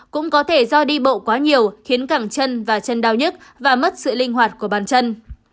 cũng có thể do đi bộ quá nhiều khiến càng chân và chân đau nhất và mất sự linh hoạt của bàn chân